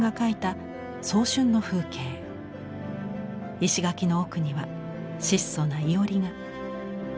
石垣の奥には質素な庵が。